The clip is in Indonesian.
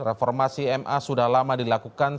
reformasi ma sudah lama dilakukan